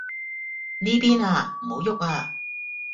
呢邊啊，唔好郁啊